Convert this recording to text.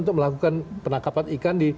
untuk melakukan penangkapan ikan